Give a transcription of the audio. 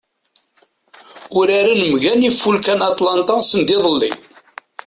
Uraren mgal Ifulka n Atlanta sendiḍelli.